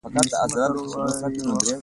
ویل به یې ښادي راشي، مړی او ژوندی شي.